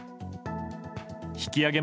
引き揚げ